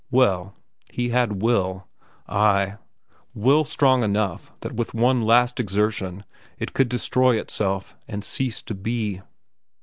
Well, he had will,—ay, will strong enough that with one last exertion it could destroy itself and cease to be.